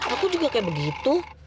aku juga kayak begitu